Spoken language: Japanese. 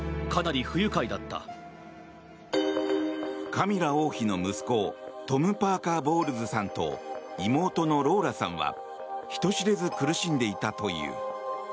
カミラ王妃の息子トム・パーカー・ボウルズさんと妹のローラさんは人知れず苦しんでいたという。